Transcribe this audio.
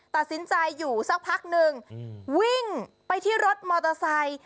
ตัดสินใจอยู่สักพักนึงวิ่งไปที่รถมอเตอร์ไซค์